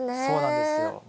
そうなんですよ。